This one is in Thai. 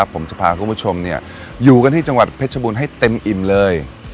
ผมจะพาคุณผู้ชมอยู่กันที่จังหวัดเพชรบูรณ์ให้เต็มอิ่มเลย